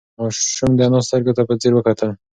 ماشوم د انا سترگو ته په ځير وکتل.